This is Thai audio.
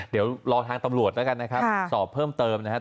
เดี๋ยวรอทางตำรวจแล้วกันนะครับสอบเพิ่มเติมนะครับ